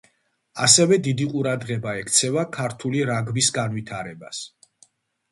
ასევე დიდი ყურადღება ექცევა ქართული რაგბის განვითარებას.